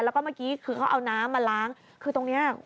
แล้วก็เมื่อกี้คือเขาเอาน้ำมาล้างคือตรงนี้